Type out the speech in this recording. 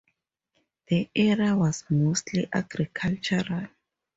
The area was mostly agricultural.